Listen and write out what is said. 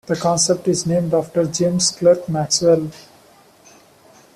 The concept is named after James Clerk Maxwell.